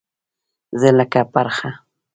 زه لکه پرخه